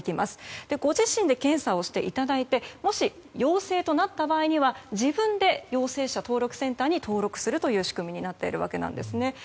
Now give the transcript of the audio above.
ご自身で検査をしていただいてもし、陽性となった場合には自分で陽性者登録センターに登録するという仕組みになっているわけですね。